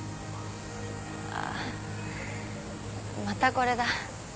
あっまたこれだ。